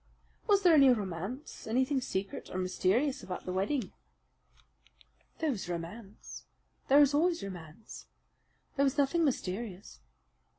Was there any romance, anything secret or mysterious, about the wedding?" "There was romance. There is always romance. There was nothing mysterious."